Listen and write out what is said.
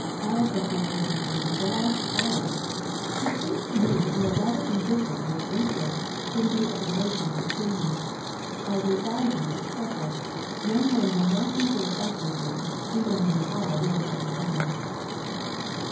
Aleck has been waiting for you for the last hour. It seems to me that you are rather indifferent to his interests, in view of the relations between you. I would advise you to be careful. Young men will not endure everything, even when they are very much in earnest."